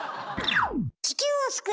地球を救え！